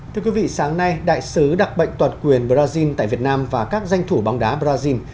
thưa quý vị sáng nay đại sứ đặc bệnh toàn quyền brazil tại việt nam và các danh thủ bóng đá brazil